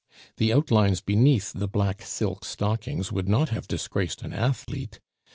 The outlines beneath the black silk stockings would not have disgraced an athlete.